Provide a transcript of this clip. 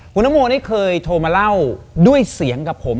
คุณนโมนี่เคยโทรมาเล่าด้วยเสียงกับผม